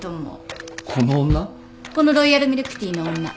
このロイヤルミルクティーの女。